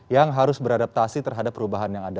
yang harus beradaptasi terhadap perubahan yang ada